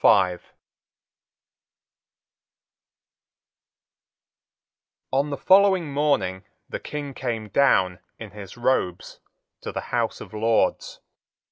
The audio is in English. On the following morning the King came down, in his robes, to the House of Lords.